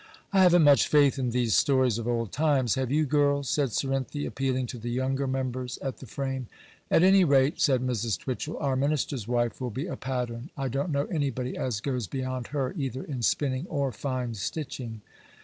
'I haven't much faith in these stories of old times; have you, girls?' said Cerinthy, appealing to the younger members at the frame. 'At any rate,' said Mrs. Twitchel, 'our minister's wife will be a pattern; I don't know anybody as goes beyond her either in spinning or fine stitching.